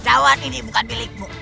cawan ini bukan milikmu